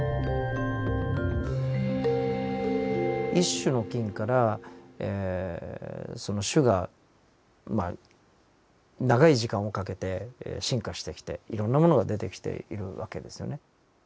１種の菌からその種がまあ長い時間をかけて進化してきていろんなものが出てきている訳ですよね。